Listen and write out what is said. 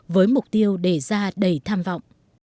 với mục tiêu đề ra đầy tham vọng